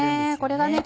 これがね